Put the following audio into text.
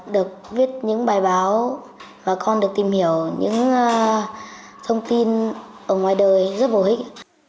được viết những bài báo và con được tìm hiểu những thông tin ở ngoài đời rất bổ ích